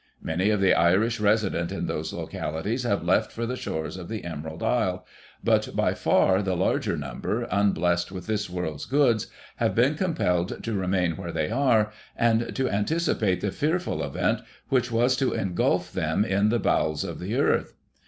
Many of the Irish resident in those localities have left for the shores of the Emerald Isle, but by far the larger number, unblessed with this world's goods, have been compelled to remain where they are, and to anticipate the fearful event which was to engulf them in Digiti ized by Google 1842] DESTRUCTION OF LONDON. 183 the bowels of the earth.